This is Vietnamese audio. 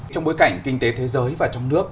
trong bối cảnh kinh tế thế giới và trong nước